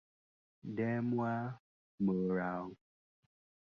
Đêm qua mưa rào